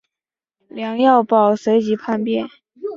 梁耀宝随即叛变。